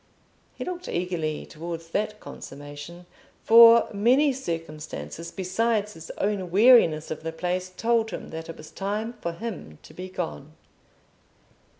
He looked eagerly towards that consummation, for many circumstances besides his own weariness of the place told him that it was time for him to be gone.